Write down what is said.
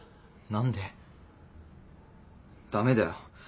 何でダメだよ。